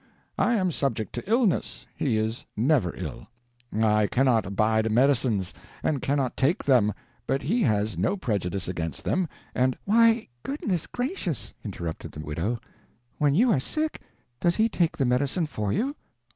I am subject to illness, he is never ill. I cannot abide medicines, and cannot take them, but he has no prejudice against them, and " "Why, goodness gracious," interrupted the widow, "when you are sick, does he take the medicine for you?"